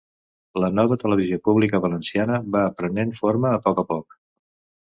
La nova televisió pública valenciana va prenent forma a poc a poc.